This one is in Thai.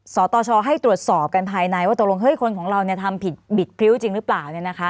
สตชให้ตรวจสอบกันภายในว่าตกลงคนของเราทำผิดบิดพริ้วจริงหรือเปล่า